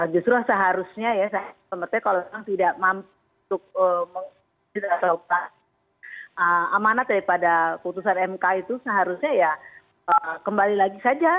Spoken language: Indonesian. justru seharusnya ya saya pemerintah kalau memang tidak mampu untuk mengerjakan amanat daripada putusan mk itu seharusnya ya kembali lagi saja